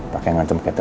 pakai ngancem katerina